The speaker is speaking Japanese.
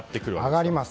上がります。